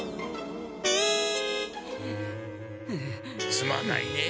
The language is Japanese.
すまないねえ。